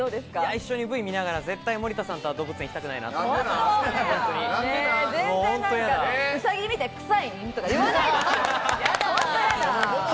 一緒にＶ見ながら絶対に森田さんとは動物園行きたくないなっていう。